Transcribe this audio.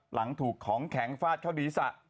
หลังถูกของแข็งฟาดเข้าศีรษะ